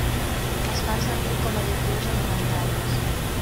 Es fan servir com additius alimentaris.